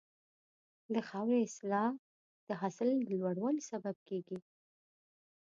د خاورې اصلاح د حاصل لوړوالي سبب کېږي.